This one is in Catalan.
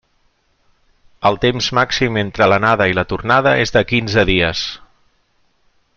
El temps màxim entre l'anada i la tornada és de quinze dies.